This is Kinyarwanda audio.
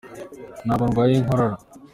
Ntabwo ndwaye inkorora.